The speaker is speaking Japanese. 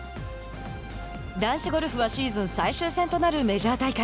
男子ゴルフはシーズン最終戦となるメジャー大会。